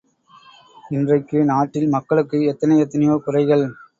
இன்றைக்கு நாட்டில் மக்களுக்கு எத்தனை எத்தனையோ குறைகள்.